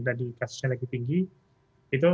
tadi kasusnya lagi tinggi itu